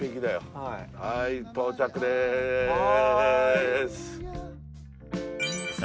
はい到着でーす！